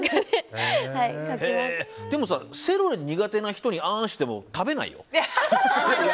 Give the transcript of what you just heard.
でもさ、セロリが苦手な人にアーンしても食べないよ。